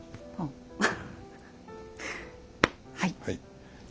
はい。